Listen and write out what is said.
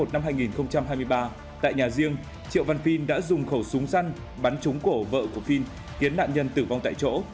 năm hai nghìn hai mươi ba tại nhà riêng triệu văn phiên đã dùng khẩu súng săn bắn trúng cổ vợ của phiên khiến nạn nhân tử vong tại chỗ